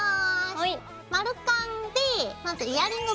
はい。